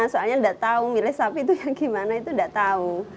soalnya tidak tahu milih sapi itu yang gimana itu nggak tahu